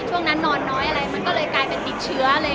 ช่วงนั้นนอนน้อยมันกลายเป็นติดเชื้อ